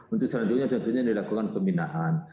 untuk selanjutnya tentunya dilakukan pembinaan